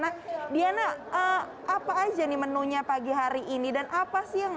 nah diana apa aja nih menunya pagi hari ini dan apa sih yang